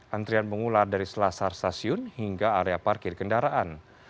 antrian mengular dari selasar stasiun hingga area parkir kendaraan